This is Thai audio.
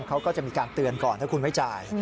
เขาก็จะมีการเตือนก่อนถ้าคุณไม่จ่าย